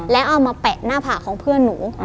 แล้วเอามาแปะหน้าผากของเพื่อนหนู